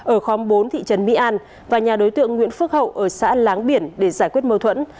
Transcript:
ở khóm bốn thị trấn mỹ an và nhà đối tượng nguyễn phước hậu ở xã láng biển để giải quyết mâu thuẫn